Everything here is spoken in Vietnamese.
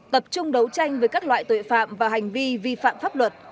tập trung đấu tranh với các loại tội phạm và hành vi vi phạm pháp luật